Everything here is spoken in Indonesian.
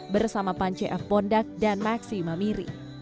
bersama pan c f bondak dan maksima miri